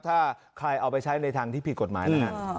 ถ้าใครเอาไปใช้ในทางที่ผิดกฎหมายนะฮะ